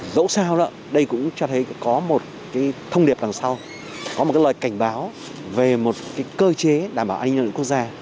nhưng dẫu sao đây cũng cho thấy có một thông điệp đằng sau có một lời cảnh báo về một cơ chế đảm bảo an ninh lợi của quốc gia